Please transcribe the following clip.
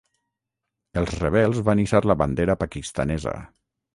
Els rebels van hissar la bandera pakistanesa.